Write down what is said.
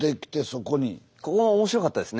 ここも面白かったですね。